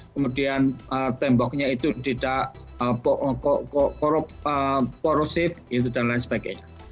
kemudian temboknya itu tidak korup korup korusif itu dan lain sebagainya